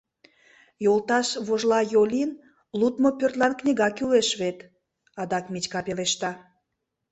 — Йолташ Вожлайолин, лудмо пӧртлан книга кӱлеш вет, — адак Митька пелешта.